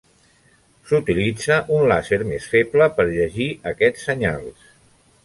S'utilitza un làser més feble per llegir aquests senyals.